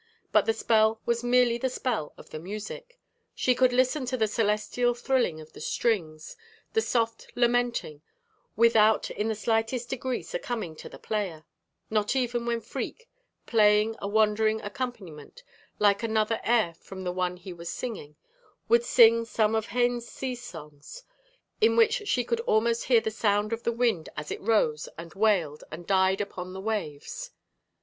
But the spell was merely the spell of the music. She could listen to the celestial thrilling of the strings, the soft lamenting, without in the slightest degree succumbing to the player not even when Freke, playing a wandering accompaniment, like another air from the one he was singing, would sing some of Heine's sea songs, in which she could almost hear the sound of the wind as it rose and wailed and died upon the waves.